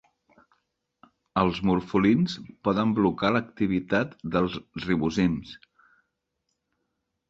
Els morfolins poden blocar l'activitat dels ribozims.